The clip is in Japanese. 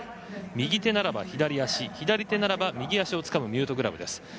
右手ならば左足左手ならば右足をつかむミュートグラブです。